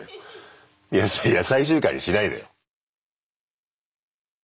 いや最終回にしないで。